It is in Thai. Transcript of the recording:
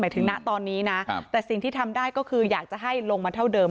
ถึงนะตอนนี้นะแต่สิ่งที่ทำได้ก็คืออยากจะให้ลงมาเท่าเดิม